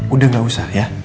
udah gausah ya